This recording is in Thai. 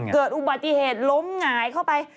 เกิดอุบัติเหตุล้มหงายเข้าไป